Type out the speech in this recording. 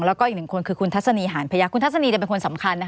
และอีก๑คุณคือทัศนีหาญพยาคุณทัศนีเป็นคนสำคัญ